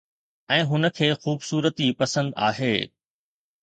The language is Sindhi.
۽ هن کي خوبصورتي پسند آهي